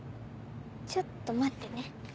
ちょっと待ってね。